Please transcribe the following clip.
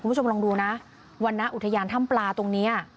คุณผู้ชมลองดูนะวรรณอุทยานถ้ำปลาตรงนี้